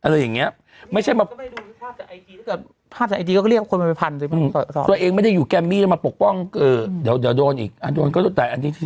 ทีมงานนี่นะเปลี่ยงเลยกระดาษ